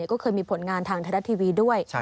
ก็เคยมีผลงานทางไทยรัฐทีวีด้วย